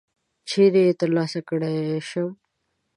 چیري یې ترلاسه کړلای شم ؟